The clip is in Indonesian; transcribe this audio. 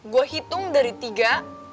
gue hitung dari tiga